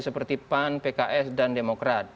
seperti pan pks dan demokrat